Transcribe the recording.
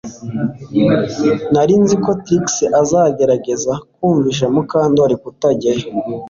Nari nzi ko Trix azagerageza kumvisha Mukandoli kutajyayo